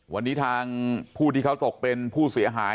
วันนี้ทางผู้ที่เขาตกเป็นผู้เสียหาย